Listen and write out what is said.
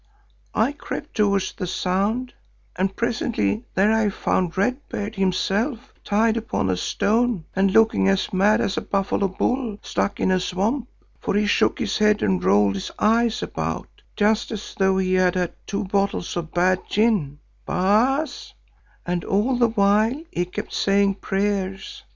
I crept towards the sound and presently there I found Red Beard himself tied upon a stone and looking as mad as a buffalo bull stuck in a swamp, for he shook his head and rolled his eyes about, just as though he had had two bottles of bad gin, Baas, and all the while he kept saying prayers.